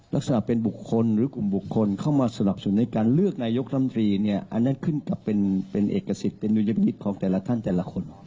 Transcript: ระฆาตเป็นบุคคลหรือกลุ่มบุคคลเข้ามาสมาชิกสภาในการเลือกนายกรำนิดนี้คืนเป็นเป็นเอกสิทธิ์เป็นอุยมิตของท่านจะละคน